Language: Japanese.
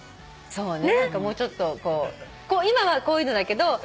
そうね。